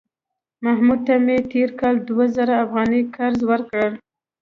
محمود ته مې تېر کال دوه زره افغانۍ قرض ورکړ